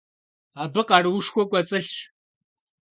Абы къаруушхуэ кӀуэцӀылъщ.